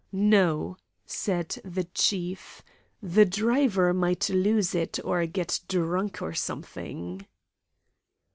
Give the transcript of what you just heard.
"No," said the chief; "the driver might lose it, or get drunk, or something."